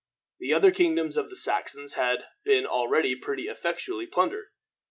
The other kingdoms of the Saxons had been already pretty effectually plundered.